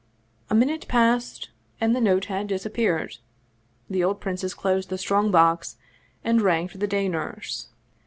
A minute passed, and the note had disappeared. The old princess closed the strong box and rang for the day nurse.